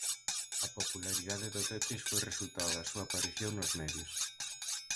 A popularidade do Tetris foi resultado da súa aparición nos medios.